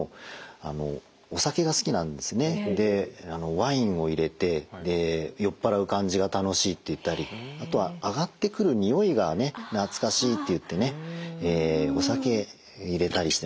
ワインを入れて酔っ払う感じが楽しいって言ったりあとは上がってくる匂いが懐かしいって言ってねお酒入れたりしてますね。